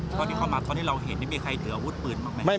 เพราะที่เข้ามาเพราะที่เราเห็นนี่มีใครเจออาวุธปืนบ้างไหม